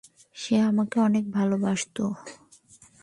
সে আমাকে অনেক ভালোবাসতো।